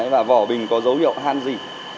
và vỏ bình có dấu hiệu han dỉ